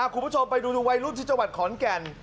คุณผู้ชมไปดูวัยรุ่นที่จังหวัดขอนแก่น